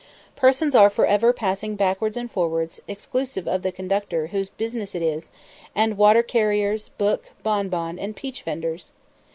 Persons are for ever passing backwards and forwards, exclusive of the conductor whose business it is, and water carriers, book, bonbon, and peach venders.